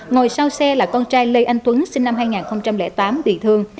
ngồi sau xe là con trai lê anh tuấn sinh năm hai nghìn tám bị thương